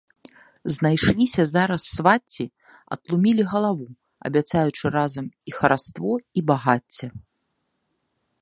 Знайшліся зараз свацці, атлумілі галаву, абяцаючы разам і хараство і багацце.